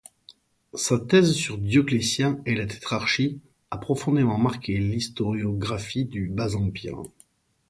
Sa thèse sur Dioclétien et la Tétrarchie a profondément marqué l'historiographie du Bas-Empire.